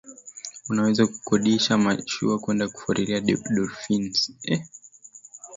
Unaweza kukodisha mashua kwenda kufuatilia dolphins